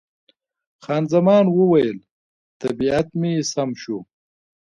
خان زمان وویل، طبیعت مې سم شو.